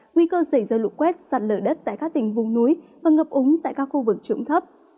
nguy cơ xảy ra lũ quét sạt lở đất tại các tỉnh vùng núi và ngập úng tại các khu vực trũng thấp